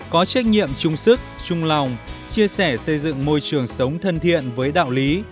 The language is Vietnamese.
có trách nhiệm chung sức chung lòng chia sẻ xây dựng môi trường sống thân thiện với đạo lý